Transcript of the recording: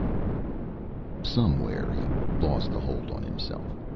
Somewhere he lost the hold on himself.